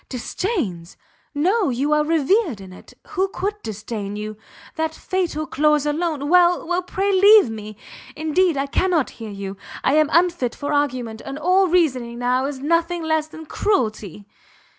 "Disdains? No, you are revered in it! who could disdain you! That fatal clause alone " "Well, well, pray leave me; indeed I cannot hear you; I am unfit for argument, and all reasoning now is nothing less than cruelty."